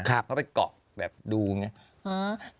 เขาไปเกาะแบบดูอย่างนี้